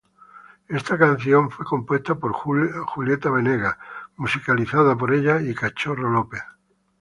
Está canción fue compuesta por Julieta Venegas, musicalizada por ella y Cachorro López.